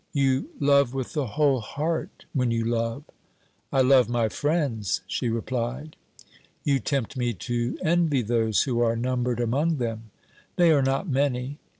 You love with the whole heart when you love.' 'I love my friends,' she replied. 'You tempt me to envy those who are numbered among them.' 'They are not many.'